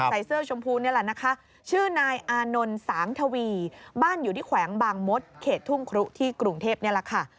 ใส่เสื้อชมพูนี่แหละนะคะชื่อนายอานนท์สางทวีบ้านอยู่ที่แขวงบางมดเขตทุ่งครุที่กรุงเทพนี่แหละค่ะ